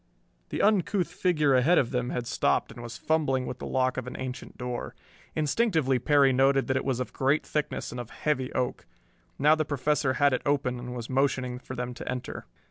The uncouth figure ahead of them had stopped and was fumbling with the lock of an ancient door. Instinctively Perry noted that it was of great thickness and of heavy oak. Now the Professor had it open and was motioning for them to enter.